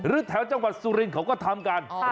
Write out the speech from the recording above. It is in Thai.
หรือแถวจังหวัดสุรินเขาก็ทำการอ่า